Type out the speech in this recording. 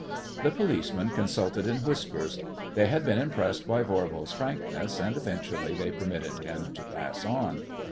The policemen consulted in whispers. They had been impressed by Voirbo's frankness, and eventually they permitted him to pass on.